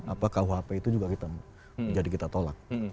apa kuhp itu juga kita menjadi kita tolak